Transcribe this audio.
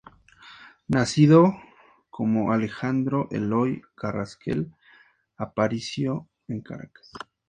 Nacido como Alejandro Eloy Carrasquel Aparicio en Caracas.